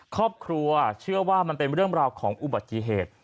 ครอบครัวเชื่อว่ามันเป็นเรื่องราวของอุบัติเหตุ